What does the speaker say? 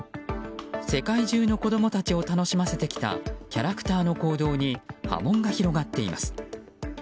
世界中の子供たちを楽しませてきたキャラクターの行動に波紋が広がっています。